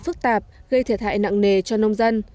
phức tạp gây thiệt hại nặng nề cho nông dân